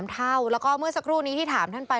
เท่าแล้วก็เมื่อสักครู่นี้ที่ถามท่านไป